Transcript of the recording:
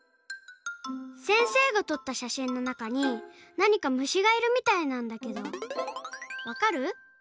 せんせいがとったしゃしんのなかになにかむしがいるみたいなんだけどわかる？